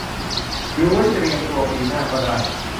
ดูไว้เตรียมตัวปีหน้าก็ได้